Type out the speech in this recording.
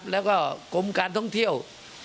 แล้วก็กรมการท่องเที่ยว